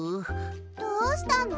どうしたの？